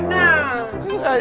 lu temen kesana